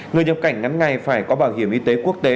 người nhập cảnh ngắn ngày phải có bảo hiểm y tế quốc tế